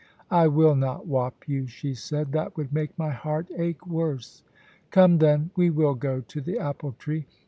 * I will not whop you,* she said ;* that would make my heart ache worse. Come, then, we will go to the apple tree.